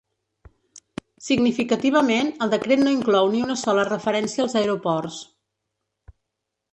Significativament, el decret no inclou ni una sola referència als aeroports.